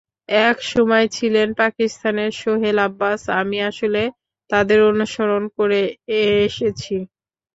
একসময় ছিলেন পাকিস্তানের সোহেল আব্বাস, আমি আসলে তাঁদের অনুসরণ করে এনেছি।